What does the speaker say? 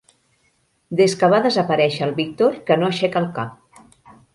Des que va desaparèixer el Víctor que no aixeca el cap.